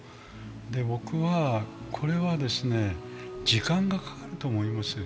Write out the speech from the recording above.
僕はこれは時間がかかると思います。